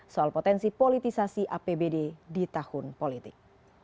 soal potensi politisasi apbd di tahun politik